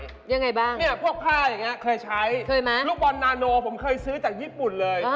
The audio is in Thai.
ยังไงบ้างพวกข้าอย่างนี้เคยใช้ลูกวอลนาโนผมเคยซื้อจากญี่ปุ่นเลย